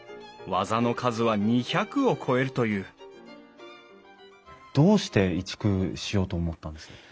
技の数は２００を超えるというどうして移築しようと思ったんですか？